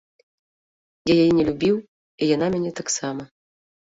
Я яе не любіў, і яна мяне таксама.